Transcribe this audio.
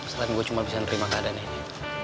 selain gue cuma bisa terima keadaannya